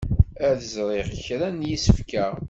Ad sriɣ kra n yisefka.